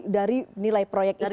dari nilai proyek itu sendiri